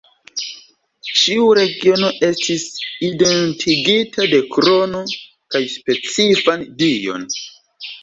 Ĉiu regiono estis identigita de krono kaj specifan dion.